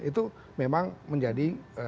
itu memang menjadi